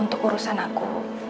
untuk urusan aku